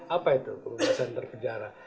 apa itu kebebasan terpenjara